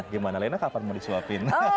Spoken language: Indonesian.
gimana lena kapan mau disuapin